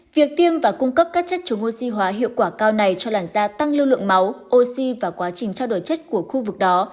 việc tiêm và cung cấp các chất chống oxy hóa hiệu quả cao này cho làn da tăng lưu lượng máu oxy và quá trình trao đổi chất của khu vực đó